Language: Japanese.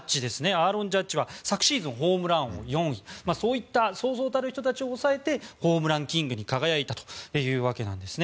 アーロン・ジャッジは昨シーズンホームラン王、４位そういったそうそうたる人たちを抑えてホームランキングに輝いたということです。